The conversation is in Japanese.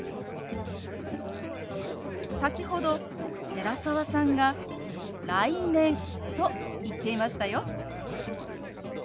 先ほど寺澤さんが「来年」と言っていましたよ。